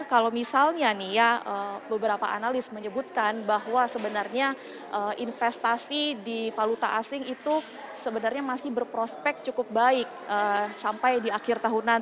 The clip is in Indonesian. jadi kalau misalnya nih ya beberapa analis menyebutkan bahwa sebenarnya investasi di paluta asing itu sebenarnya masih berprospek cukup baik sampai di akhir tahun nanti